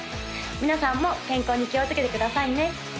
皆さんも健康に気をつけてくださいね